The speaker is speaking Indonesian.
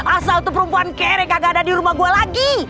asal tuh perempuan kere kagak ada di rumah gue lagi